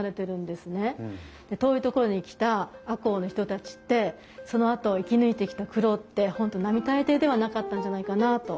遠い所に来た赤穂の人たちってそのあと生き抜いてきた苦労って本当並大抵ではなかったんじゃないかなあと。